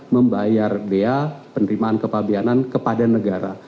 membayar bea penerimaan kepabianan kepada negara